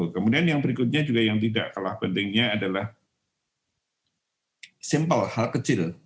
kemudian yang berikutnya juga yang tidak kalah pentingnya adalah simple hal kecil